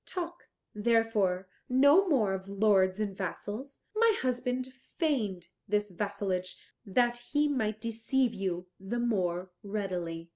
Talk, therefore, no more of lords and vassals. My husband feigned this vassalage that he might deceive you the more readily."